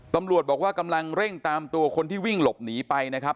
ตำรวจบอกว่ากำลังเร่งตามตัวคนที่วิ่งหลบหนีไปนะครับ